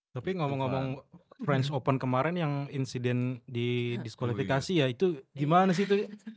tapi ngomong ngomong french open kemarin yang insiden di disqualifikasi ya itu gimana sih itu